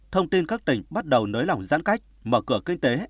thông tin các tỉnh bắt đầu nới lỏng giãn cách mở cửa kinh tế